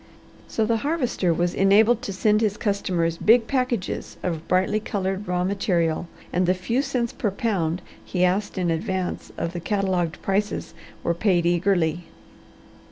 So the Harvester was enabled to send his customers big packages of brightly coloured raw material, and the few cents per pound he asked in advance of the catalogued prices were paid eagerly.